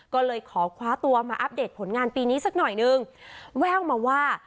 ก็เลยขอคว้าตัวมาอัปเดตผลงานปีนี้สักหน่อยนึงแว่วมาว่า